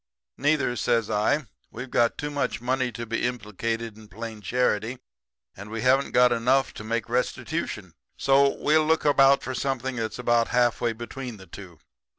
"'Neither,' says I. 'We've got too much money to be implicated in plain charity; and we haven't got enough to make restitution. So, we'll look about for something that's about half way between the two.'